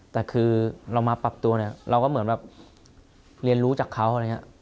แต่คือเรามาปรับตัวเนี่ยเราก็เหมือนแบบเรียนรู้จากเขาอะไรอย่างนี้